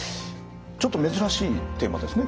ちょっと珍しいテーマですね